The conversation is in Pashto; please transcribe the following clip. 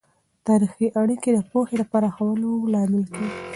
تاریخي اړیکه د پوهې د پراخولو لامل کیږي.